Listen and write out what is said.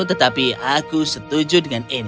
tetapi aku setuju dengan ini